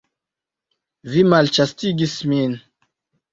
Vi malĉastigis min!